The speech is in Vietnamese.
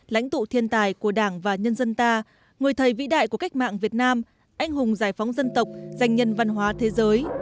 lãnh tụ thiên tài của đảng và nhân dân ta người thầy vĩ đại của cách mạng việt nam anh hùng giải phóng dân tộc danh nhân văn hóa thế giới